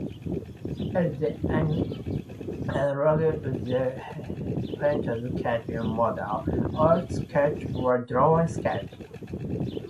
It is the analogue of the painter's cartoon, "modello", oil sketch or drawn sketch.